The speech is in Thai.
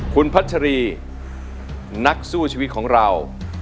คุณพัชรีนักสู้ชีวิตของเรา